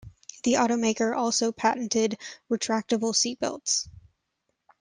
The automaker also patented retractable seatbelts.